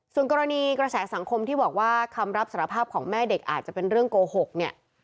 ส่วนกรณีกระแสสังคมที่บอกว่าคำรับสารภาพของแม่เด็กอาจจะเป็นเรื่องโกหกเนี่ย